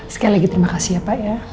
sekali lagi terima kasih pak